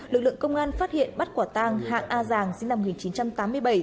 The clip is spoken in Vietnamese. lực lượng công an phát hiện bắt quả tang hạng a giàng sinh năm một nghìn chín trăm tám mươi bảy